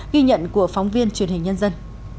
ghi nhận của phóng viên truyền hình nhân dân